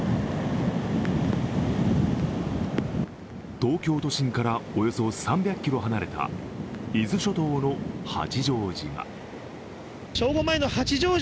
東京都心からおよそ３００ｋｍ離れた伊豆諸島の八丈島。